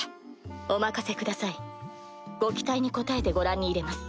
お任せくださいご期待に応えてご覧にいれます。